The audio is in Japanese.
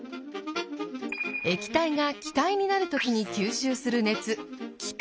液体が気体になる時に吸収する熱